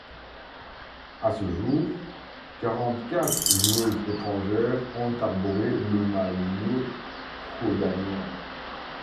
À ce jour, quarante-quatre joueuses étrangères ont arboré le maillot rhodanien.